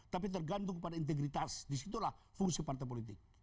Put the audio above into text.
tapi tergantung kepada integritas disitulah fungsi partai politik